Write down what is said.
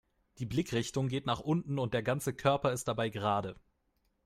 Die Blickrichtung geht nach unten und der ganze Körper ist dabei gerade.